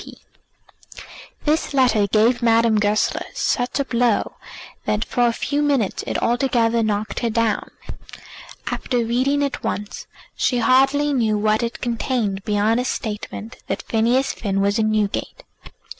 G. P." This letter gave Madame Goesler such a blow that for a few minutes it altogether knocked her down. After reading it once she hardly knew what it contained beyond a statement that Phineas Finn was in Newgate.